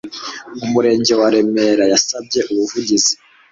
umurenge wa remera yasabye ubuvugizi